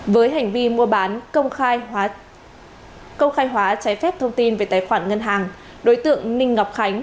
với hành vi mua bán công khai công khai hóa trái phép thông tin về tài khoản ngân hàng đối tượng ninh ngọc khánh